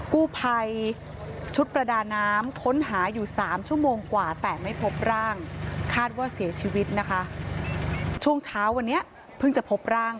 กูไภชุดประดาน้ำค้นหาอยู่สามชั่วโมงกว่าแต่ไม่พบร่าง